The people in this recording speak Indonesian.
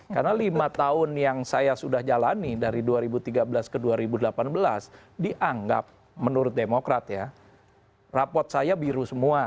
karena lima tahun yang saya sudah jalani dari dua ribu tiga belas ke dua ribu delapan belas dianggap menurut demokrat ya rapot saya biru semua